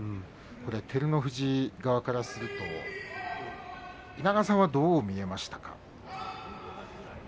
照ノ富士側からすると稲川さんはどう見えましたか？